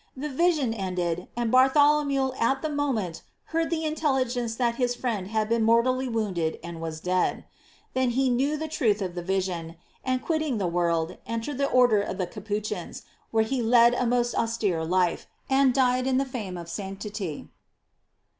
The vision ended, and Bartholomew at the mo ment heard the intelligence that his friend had been mortally wounded and was dead. Then he knew the truth of the vision, and quitting the world, entered the order of Capuchins, where he led a most austere life, and died in the fame of sanctity.